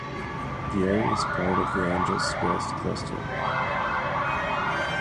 The area is part of the Angels Rest Cluster.